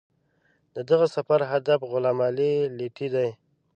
د دغه سفر هدف غلام علي لیتي دی.